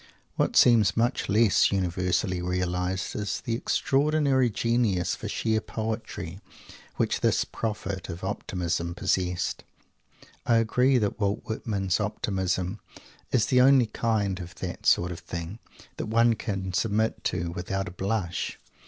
What seems much less universally realized is the extraordinary genius for sheer "poetry" which this Prophet of Optimism possessed. I agree that Walt Whitman's Optimism is the only kind, of that sort of thing, that one can submit to without a blush.